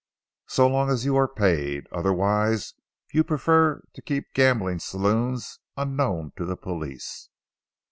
"So long as you are paid. Otherwise you prefer to keep gambling saloons unknown to the police.